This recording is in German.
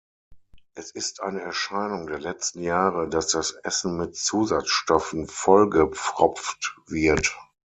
Es ist eine Erscheinung der letzten Jahre, dass das Essen mit Zusatzstoffen vollgepfropft wird.